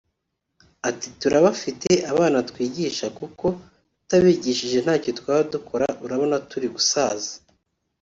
Ati “ Turabafite abana twigisha kuko tutabigishije ntacyo twaba dukora urabona turi gusaza